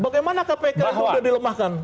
bagaimana kpk sudah dilemahkan